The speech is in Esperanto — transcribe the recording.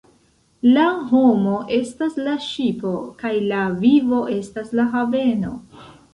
La homo estas la ŝipo kaj la vivo estas la haveno.